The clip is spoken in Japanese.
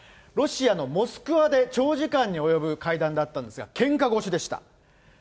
ロシアのモスクワで長時間に及ぶ会談だったんですが、けんか腰でした。